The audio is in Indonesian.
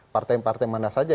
partai partai mana saja